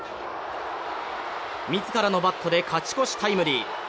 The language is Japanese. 自らのバットで勝ち越しタイムリー。